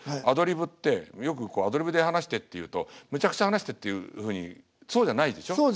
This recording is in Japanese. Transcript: アドリブってよくこうアドリブで話してって言うとめちゃくちゃ話してっていうふうにそうじゃないでしょ？